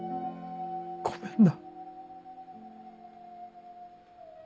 ごめんな。